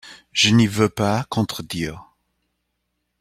Je n'y veux pas contredire.